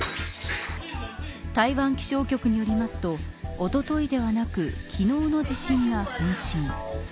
台湾気象局によりますとおとといではなく昨日の地震が本震。